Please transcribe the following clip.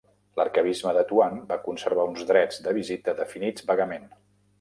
L'arquebisbe de Tuam va conservar uns drets de visita definits vagament.